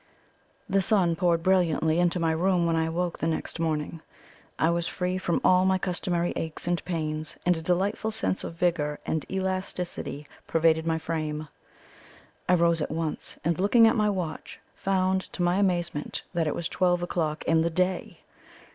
The sun poured brilliantly into my room when I awoke the next morning. I was free from all my customary aches and pains, and a delightful sense of vigour and elasticity pervaded my frame. I rose at once, and, looking at my watch, found to my amazement that it was twelve o'clock in the day!